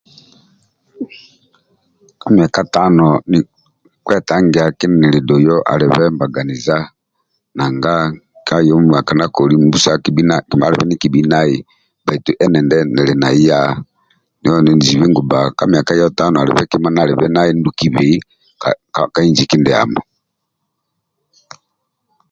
Ka myaka tano kwetangia kindie nili doiyo alibe mbaganiza nanga ka yoho muaka ndia akolio mbusa alibe ndie kibhi nai bhaitu endindi nili naiya andulu ndie nizibi bba alibe ndia ahindukibei ka inji kindiamo